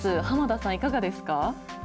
濱田さん、いかがですか。